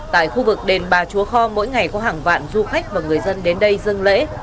tại khu vực đền bà chúa kho mỗi ngày có hàng vạn du khách và người dân đến đây dân lễ